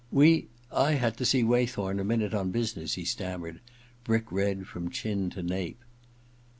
< We — I had to see Waythorn a moment on business,' he stammered, brick red from chin to nape.